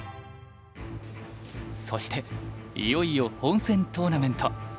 そしていよいよ本戦トーナメント。